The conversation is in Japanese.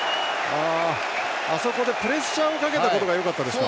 あそこでプレッシャーをかけたことがよかったですか。